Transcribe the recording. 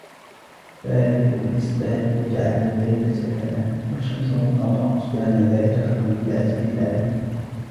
فَالِقُ الْإِصْبَاحِ وَجَعَلَ اللَّيْلَ سَكَنًا وَالشَّمْسَ وَالْقَمَرَ حُسْبَانًا ذَلِكَ تَقْدِيرُ الْعَزِيزِ الْعَلِيمِ